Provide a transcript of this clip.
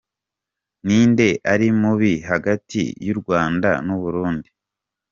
Ninde ari mubi hagati y’Urwanda n’Uburundi?